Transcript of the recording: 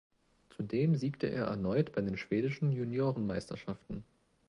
Zudem siegte er erneut bei den schwedischen Juniorenmeisterschaften.